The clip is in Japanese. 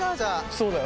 そうだよ。